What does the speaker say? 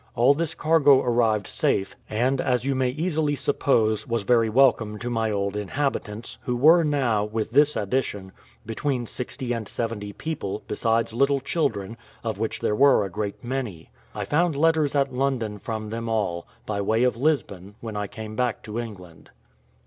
All this cargo arrived safe, and, as you may easily suppose, was very welcome to my old inhabitants, who were now, with this addition, between sixty and seventy people, besides little children, of which there were a great many. I found letters at London from them all, by way of Lisbon, when I came back to England.